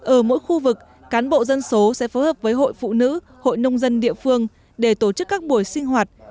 ở mỗi khu vực cán bộ dân số sẽ phối hợp với hội phụ nữ hội nông dân địa phương để tổ chức các buổi sinh hoạt